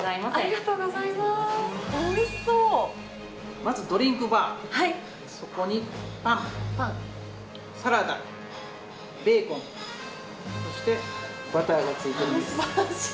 まずドリンクバー、そこにパン、サラダ、ベーコンそしてバターがついているんです。